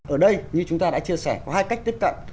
ở đây như chúng ta đã chia sẻ có hai cách tiếp cận